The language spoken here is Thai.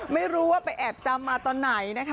ไม่รู้ว่าไปแอบจำมาตอนไหนนะคะ